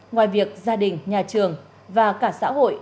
ngoài việc gia đình nhà trường và cả xã hội